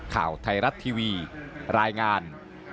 ข่าวไทยรัฐทีวีรายงาน